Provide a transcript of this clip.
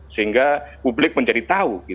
sehingga publik menjadi tahu